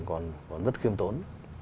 còn rất khiêm tốn